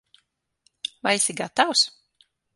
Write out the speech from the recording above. Vai esi gatavs?